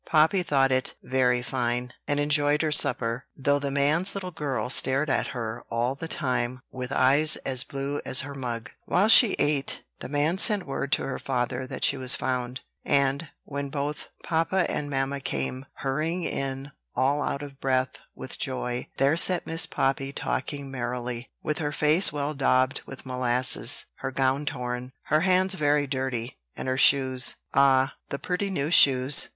Poppy thought it very fine, and enjoyed her supper, though the man's little girl stared at her all the time with eyes as blue as her mug. While she ate, the man sent word to her father that she was found; and, when both papa and mamma came hurrying in all out of breath with joy, there sat Miss Poppy talking merrily, with her face well daubed with molasses, her gown torn, her hands very dirty, and her shoes ah, the pretty new shoes!